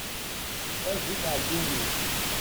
A bu tɛellumin!